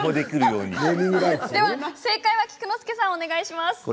正解は、菊之助さんお願いします。